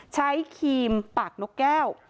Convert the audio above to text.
ครีมปากนกแก้ว